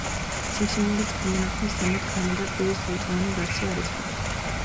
სიმსივნური წარმონაქმნის ზემოთ კანი და პირის ლორწოვანი გარსი არ იცვლება.